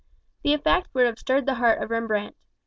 The effect would have stirred the heart of Rembrandt.